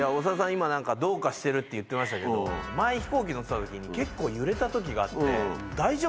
今何かどうかしてるって言ってましたけど前飛行機乗ってた時に結構揺れた時があって。